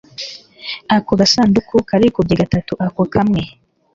Aka gasanduku karikubye gatatu ako kamwe